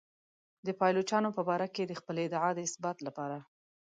د پایلوچانو په باره کې د خپلې ادعا د اثبات لپاره.